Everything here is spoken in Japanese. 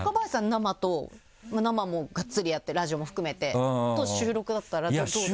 生と生もがっつりやってラジオも含めて。と収録だったらどうですか？